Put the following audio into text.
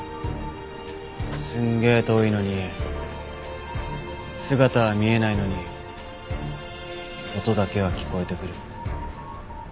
すんげえ遠いのに姿は見えないのに音だけは聞こえてくる。